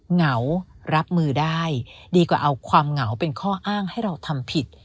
เหงารับมือได้ดีกว่าเอาความเหงาเป็นข้ออ้างให้เราทำผิด